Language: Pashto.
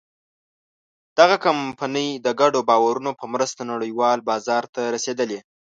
دغه کمپنۍ د ګډو باورونو په مرسته نړۍوال بازار ته رسېدلې.